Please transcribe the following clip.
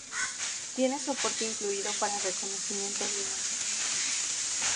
Tiene soporte incluido para reconocimiento de imagen.